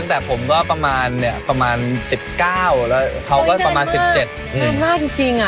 นั่นก็คือความรักที่คู่ของคุณก็คือคุณชาช่ารามนรง